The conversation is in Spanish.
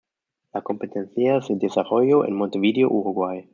La competencia se desarrolló en Montevideo, Uruguay.